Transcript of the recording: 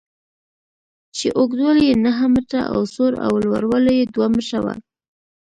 چې اوږدوالی یې نهه متره او سور او لوړوالی یې دوه متره و.